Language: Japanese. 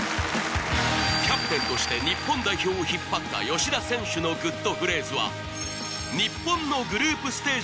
キャプテンとして日本代表を引っ張った吉田選手のグッとフレーズは日本のグループステージ